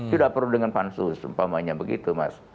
tidak perlu dengan fansus seumpamanya begitu mas